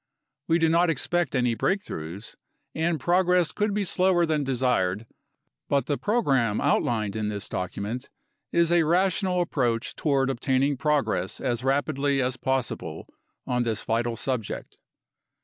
We do not expect any breakthroughs, and progress could be slower than desired, but the program outlined in this FOREWORD VII document is a rational approach toward obtaining progress as rapidly as possible on this vital subject.